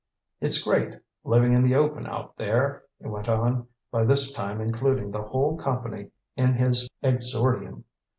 "It's great, living in the open out there," he went on, by this time including the whole company in his exordium.